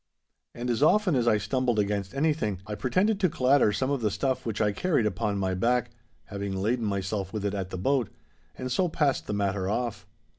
And as often as I stumbled against anything, I pretended to clatter some of the stuff which I carried upon my back, having laden myself with it at the boat. And so passed the matter off.